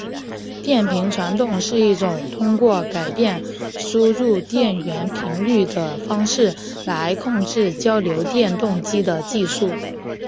变频传动是一种通过改变输入电源频率的方式来控制交流电动机的技术。